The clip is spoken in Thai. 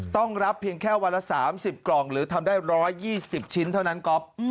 ต้องรับเพียงแค่วันละ๓๐กล่องหรือทำได้๑๒๐ชิ้นเท่านั้นก๊อฟ